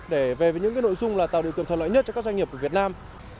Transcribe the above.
để về những nội dung là tạo điều kiện thuận lợi nhất cho các doanh nghiệp của việt nam